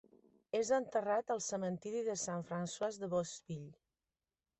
És enterrat al cementiri de Saint-Francois de Beauceville.